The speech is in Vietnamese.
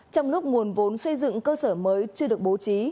trong lúc nguồn vốn xây dựng cơ sở mới chưa được bố trí